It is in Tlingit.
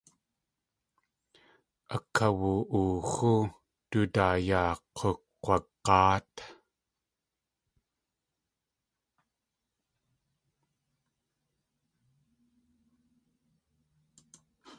Akawu.ooxú, du daa yaa k̲ukg̲wag̲áat.